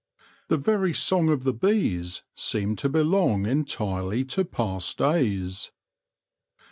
The very song of the bees seemed to belong entirely to past days.